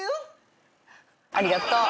ありがとう。